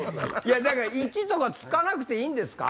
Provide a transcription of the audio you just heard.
位置とか就かなくていいですか？